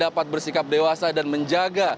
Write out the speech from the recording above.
dapat bersikap dewasa dan menjaga